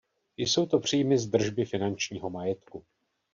Jsou to příjmy z držby finančního majetku.